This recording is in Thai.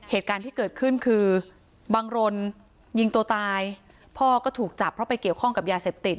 เหตุการณ์ที่เกิดขึ้นคือบังรนยิงตัวตายพ่อก็ถูกจับเพราะไปเกี่ยวข้องกับยาเสพติด